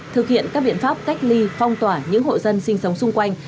thực hiện các biện pháp cách ly phong tỏa những hộ dân sinh sống xung quanh